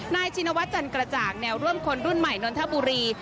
ชินวัฒนจันกระจ่างแนวร่วมคนรุ่นใหม่นนทบุรี